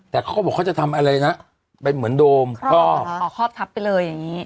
แต่เขาก็บอกเขาจะทำอะไรนะเป็นเหมือนโดมครอบอ๋อครอบทับไปเลยอย่างนี้